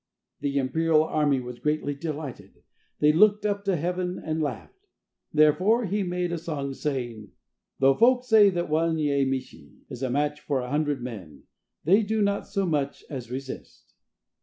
The imperial army were greatly delighted; they looked up to heaven and laughed. Therefore he made a song saying: "Though folk say That one Yemishi Is a match for one hundred men, They do not so much as resist."